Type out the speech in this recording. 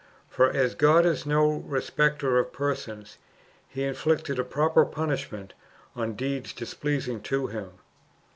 For as God is no respecter of persons. He inflicted a proper punishment on deeds displeasing to Him.